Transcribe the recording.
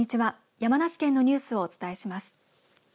山梨県のニュースをお伝えします。